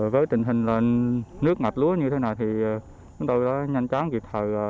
với tình hình nước ngập lúa như thế này thì chúng tôi đã nhanh chóng kịp thời